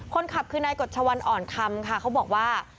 คนขับคือนายกฎชวันอ่อนคำค่ะเขาบอกว่า